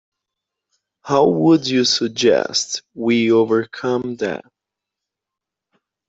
How would you suggest we overcome that?